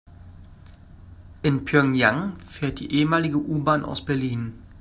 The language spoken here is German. In Pjöngjang fährt die ehemalige U-Bahn aus Berlin.